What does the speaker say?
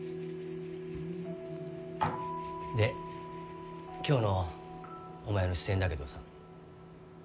で今日のお前の出演だけどさ。